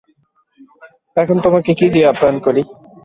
এখন তোমাকে কী দিয়ে আপ্যায়ন করি!